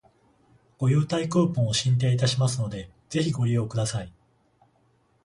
ご優待クーポンを進呈いたしますので、ぜひご利用ください